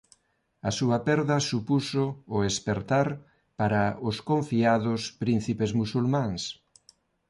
A súa perda supuxo o espertar para os confiados príncipes musulmáns.